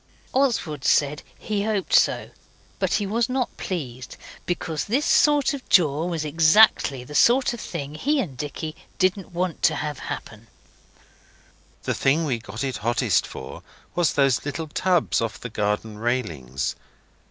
Oswald said he hoped so, but he was not pleased. Because this sort of jaw was exactly the sort of thing he and Dicky didn't want to have happen. The thing we got it hottest for was those little tubs off the garden railings.